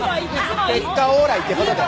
結果オーライってことで。